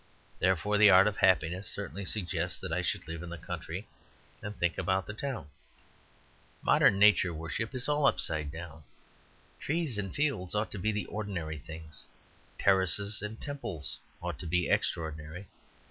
Therefore the art of happiness certainly suggests that I should live in the country and think about the town. Modern nature worship is all upside down. Trees and fields ought to be the ordinary things; terraces and temples ought to be extraordinary.